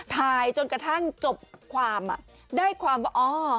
ถ่ายจนกระทั่งจบความได้ความว่าอ๋อ